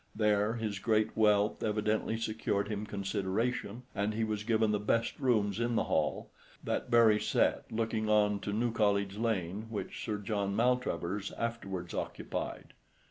There his great wealth evidently secured him consideration, and he was given the best rooms in the Hall, that very set looking on to New College Lane which Sir John Maltravers afterwards occupied.